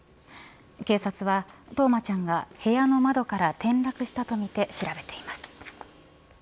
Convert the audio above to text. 警察は、任真ちゃんが部屋の窓から転落したとみて調べています。